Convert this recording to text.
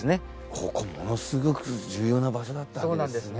ここものすごく重要な場所だったんですね。